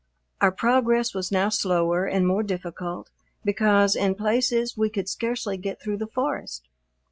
Our progress was now slower and more difficult, because in places we could scarcely get through the forest.